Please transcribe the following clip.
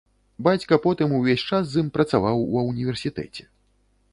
Бацька потым увесь час з ім працаваў ва ўніверсітэце.